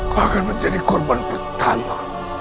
kau akan menjadi korban pertama